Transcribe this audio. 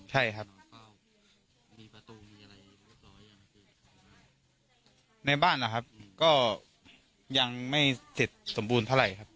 ใช่ครับในบ้านหรือครับก็ยังไม่เสร็จสมบูรณ์เท่าไหร่ครับ